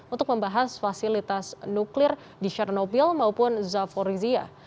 untuk membahas fasilitas nuklir di chernobyl maupun zavorzia